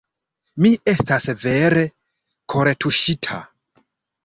Mi estas vere kortuŝita.